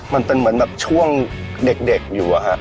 มันเป็นเหมือนแบบช่วงเด็กอยู่อะฮะ